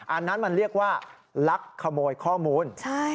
อันนั้นมันเรียกว่าลักขโมยข้อมูล